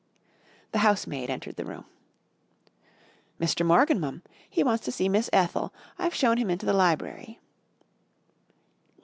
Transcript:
The housemaid entered the room. "Mr. Morgan, mum. He wants to see Miss Ethel. I've shown him into the library."